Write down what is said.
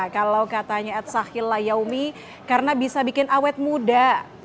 kalau katanya edsahil layoumi karena bisa bikin awet muda